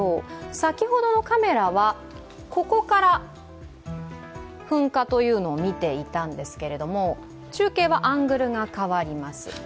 先ほどのカメラはここから噴火を見ていたんですけれども、中継はアングルが変わります。